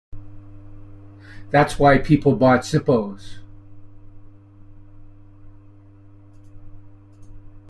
That's why people bought Zippos.